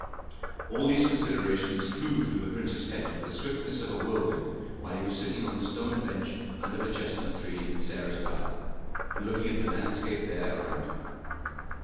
All these considerations flew through the prince's head with the swiftness of a whirlwind while he was sitting on the stone bench under the chestnut tree in Sarah's garden, and looking at the landscape there around him.